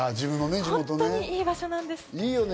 本当にいい場所なんです。